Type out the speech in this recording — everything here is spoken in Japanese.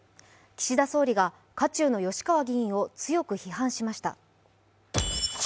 岸田総理が渦中の吉川議員を強く批判しました。